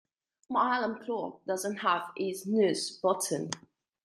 My alarm clock doesn't have a snooze button.